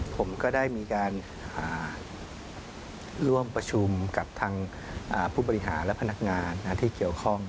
ผมก็ได้มีการร่วมประชุมกับทางผู้บริหารและพนักงานที่เกี่ยวข้อง